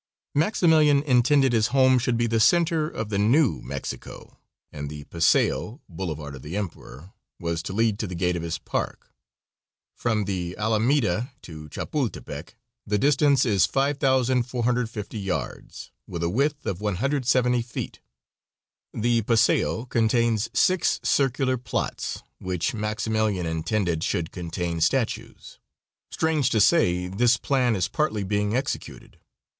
Maximilian intended his home should be the center of the new Mexico, and the paseo "Boulevard of the Emperor" was to lead to the gate of his park. From the Alameda to Chapultepec the distance is 5450 yards, with a width of 170 feet. The paseo contains six circular plots, which Maximilian intended should contain statues. Strange to say this plan is partly being executed.